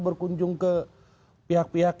berkunjung ke pihak pihak